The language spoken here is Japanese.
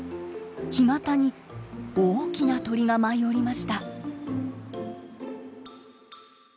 干潟に大きな鳥が舞い降りました。